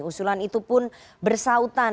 usulan itu pun bersautan